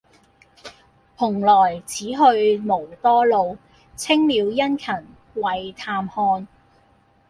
蓬萊此去無多路，青鳥殷勤為探看。